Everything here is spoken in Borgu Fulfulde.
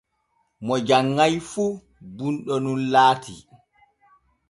Mo janŋai fu bunɗo nun laati.